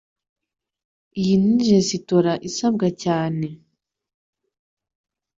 Iyi ni resitora isabwa cyane. .